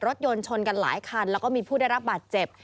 รถยนต์ชนกันหลายคันแล้วก็มีผู้ได้รับบาดเจ็บ